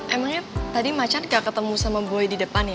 emangnya tadi macan gak ketemu sama buoy di depan ya